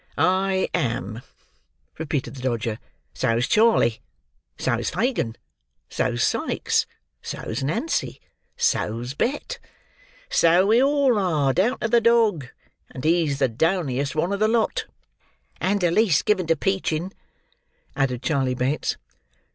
"I am," repeated the Dodger. "So's Charley. So's Fagin. So's Sikes. So's Nancy. So's Bet. So we all are, down to the dog. And he's the downiest one of the lot!" "And the least given to peaching," added Charley Bates.